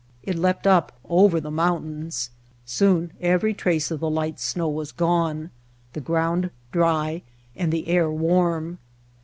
It leapt up over the mountains; soon every trace of the light snow was gone, the ground dry, and the air warm.